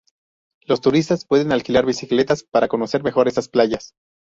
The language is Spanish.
Los turistas pueden alquilar bicicletas para conocer mejor estas playas.